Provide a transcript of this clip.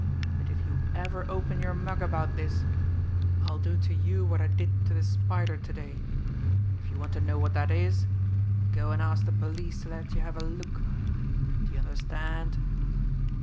But if you ever open your mug about this, I'll do to you what I did to the Spider to day and if you want to know what that is, go and ask the police to let you have a look! D'ye understand?"